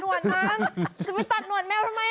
น้ำจะไปตัดหนวดแมวทำไม